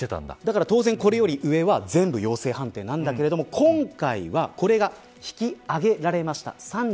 だから当然、これより上は全部陽性判定なんだけど今回はこれが引き上げられました。